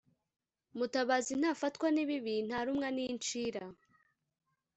mutabazi ntafatwa n'ibibi ntarumwa n'inshira